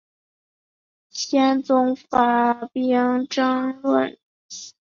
宪宗发兵征讨。